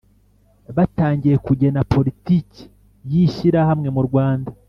Batangiye kugena politiki y ishyirahamwe murwanda